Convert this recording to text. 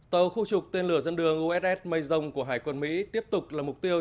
tàu khu trục tên lửa dân đường uss mason của hải quân mỹ tiếp tục là mục tiêu